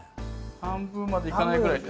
半分までいかないぐらいで。